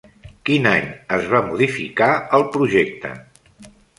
Quin any es va modificar el projecte?